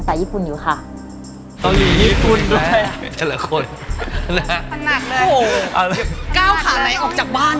ทุกข้อ